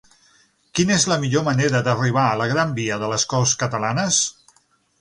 Quina és la millor manera d'arribar a la gran via de les Corts Catalanes?